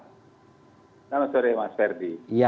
selamat sore mas ferdi